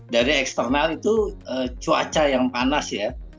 dari eksternal itu cuaca yang panas ya